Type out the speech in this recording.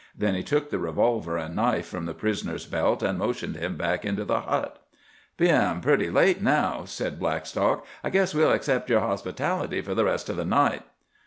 Then he took the revolver and knife from the prisoner's belt, and motioned him back into the hut. "Bein' pretty late now," said Blackstock, "I guess we'll accept yer hospitality for the rest o' the night."